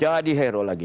jadi hero lagi